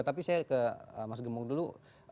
tapi saya ke mas gembong dulu